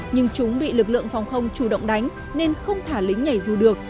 nhưng chúng bị lực lượng phòng không chủ động đánh nên không thả lính nhảy dù được